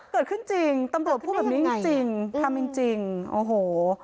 เกิดขึ้นจริงตำรวจพูดแบบนี้จริงจริงทำจริงจริงโอ้โห